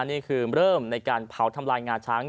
นี่คือเริ่มในการเผาทำลายงาช้าง